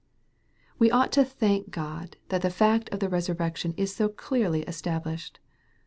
We ought to thank God that the fact of the resur rection is so clearly established.